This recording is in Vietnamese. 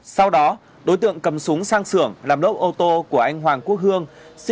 sau đó đối tượng cầm súng sang sưởng làm lỗ ô tô của anh hoàng quốc hương